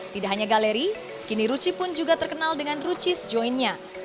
tidak hanya galeri kini ruchi pun juga terkenal dengan ruchis join nya